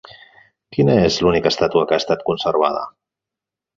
Quin és l'única estàtua que ha estat conservada?